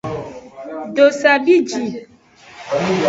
Dosa bi ji.